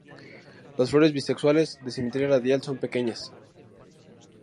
Las flores bisexuales, de simetría radial, son pequeñas.